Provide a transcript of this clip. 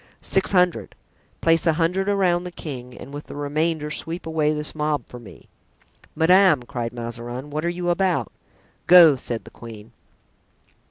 "Six hundred." "Place a hundred around the king and with the remainder sweep away this mob for me." "Madame," cried Mazarin, "what are you about?" "Go!" said the queen.